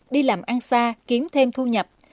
đi làm ăn xa kiếm thêm thu nhập